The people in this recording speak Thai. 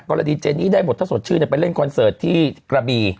กรณีเจนี่ได้หมดถ้าสดชื่นไปเล่นคอนเสิร์ตที่กระบี